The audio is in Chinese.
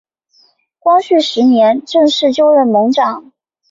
光绪十年正式就任盟长。